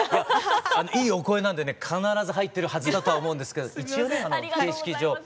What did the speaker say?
いいお声なんでね必ず入ってるはずだとは思うんですけど一応ね形式上。